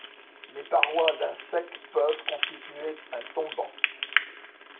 Les parois d'un sec peuvent constituer un tombant.